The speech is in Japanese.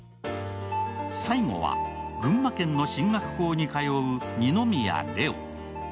最後は、群馬県の進学校に通う二宮礼央。